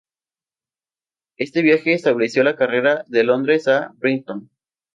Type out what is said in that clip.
Este viaje estableció la carrera de Londres a Brighton.